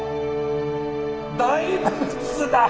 大仏だ！